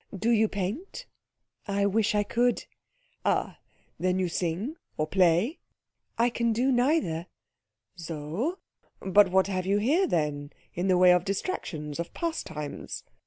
Do you paint?" "I wish I could." "Ah, then you sing or play?" "I can do neither." "So? But what have you here, then, in the way of distractions, of pastimes?"